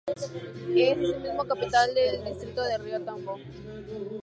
Es asimismo capital del distrito de Río Tambo.